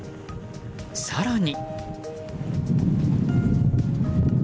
更に。